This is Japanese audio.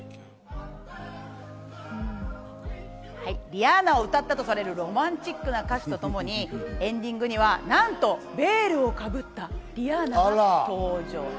リアーナを歌ったとされるロマンチックな歌詞とともにエンディングにはなんとベールをかぶったリアーナが登場。